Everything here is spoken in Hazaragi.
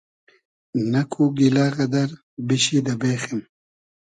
نئکو گیلۂ غئدئر بیشی دۂ بېخیم